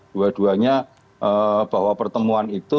dua duanya bahwa pertemuan itu